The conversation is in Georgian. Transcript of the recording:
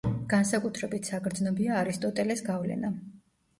განსაკუთრებით საგრძნობია არისტოტელეს გავლენა.